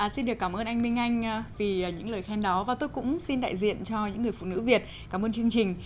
xin được cảm ơn anh minh anh vì những lời khen đó và tôi cũng xin đại diện cho những người phụ nữ việt cảm ơn chương trình